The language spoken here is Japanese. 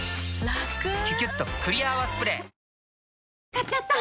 買っちゃった！